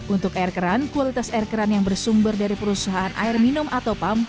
untuk air keran kualitas air keran yang bersumber dari perusahaan air minum atau pump